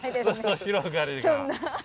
裾広がりが。